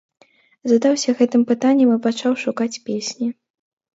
Задаўся гэтым пытаннем і пачаў шукаць песні.